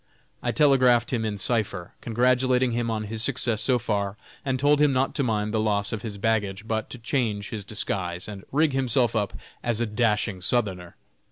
I telegraphed him in cipher, congratulating him on his success so far, and told him not to mind the loss of his baggage; but to change his disguise, and rig himself up as a dashing Southerner.